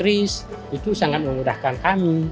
risk itu sangat memudahkan kami